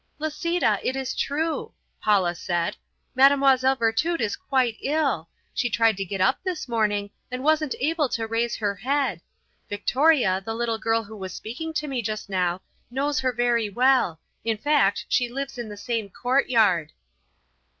"Lisita, it is true," Paula said, "Mademoiselle Virtud is quite ill; she tried to get up this morning and wasn't able to raise her head. Victoria, the little girl who was speaking to me just now, knows her very well; in fact, she lives in the same courtyard."